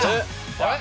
あれ？